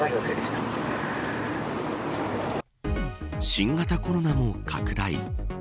新型コロナも拡大。